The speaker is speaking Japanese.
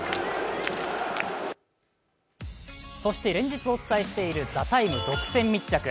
そして連日お伝えしている「ＴＨＥＴＩＭＥ，」独占密着。